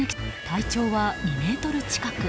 体長は２ｍ近く。